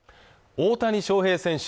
大谷翔平選手